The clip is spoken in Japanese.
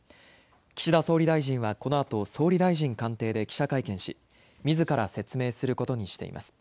岸田総理大臣はこのあと、総理大臣官邸で記者会見し、みずから説明することにしています。